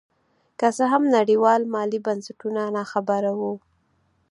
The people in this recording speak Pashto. که څه هم نړیوال مالي بنسټونه نا خبره وو.